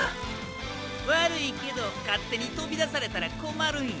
悪いけど勝手にとびだされたら困るんよ。